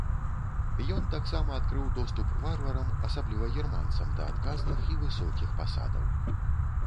Ён таксама адкрыў доступ варварам, асабліва германцам, да адказных і высокіх пасадаў.